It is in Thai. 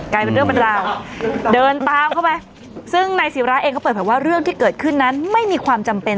เป็นเรื่องเป็นราวเดินตามเข้าไปซึ่งนายศิราเองก็เปิดเผยว่าเรื่องที่เกิดขึ้นนั้นไม่มีความจำเป็น